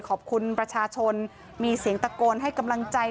ขอบคุณประชาชนมีเสียงตะโกนให้กำลังใจ